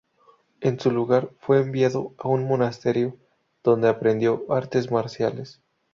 En su lugar, fue enviado a un monasterio, donde aprendió artes marciales.